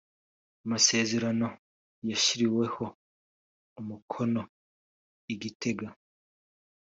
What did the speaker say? Ayo masezerano yashyiriweho umukono i Gitega